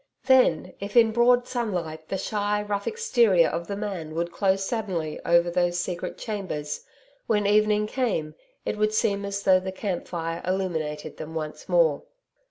Then, if in broad sunlight the shy, rough exterior of the man would close suddenly over those secret chambers, when evening came, it would seem as though the camp fire illuminated them once more.